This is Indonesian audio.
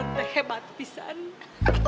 cinta udah hebat bisa nih